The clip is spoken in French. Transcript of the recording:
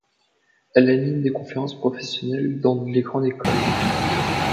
Elle anime des conférences professionnelles dans les grandes écoles.